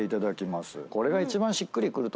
これが一番しっくりくると思うので。